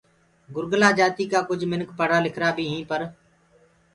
گُرگَلا جآتي ڪآ ڪجھ مِنک پڙهرآ لکرا بي هيٚنٚ پر